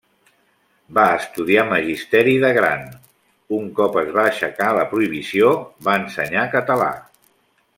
Va estudiar magisteri de gran; un cop es va aixecar la prohibició, va ensenyar català.